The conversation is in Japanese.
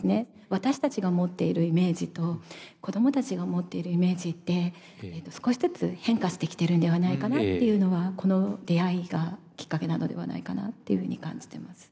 私たちが持っているイメージと子供たちが持っているイメージって少しずつ変化してきてるんではないかなっていうのはこの出会いがきっかけなのではないかなっていうふうに感じてます。